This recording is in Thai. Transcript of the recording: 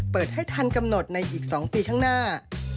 เปิดให้ทันกำหนดในอีก๒ปีข้างหน้า